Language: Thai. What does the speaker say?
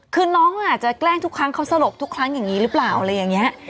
คือน้องอาจจะแกล้งทุกครั้งเขาสลบทุกครั้งอย่างนี้หรือเปล่าอะไรอย่างนี้